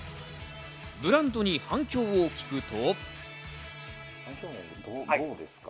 ブランドに反響を聞くと。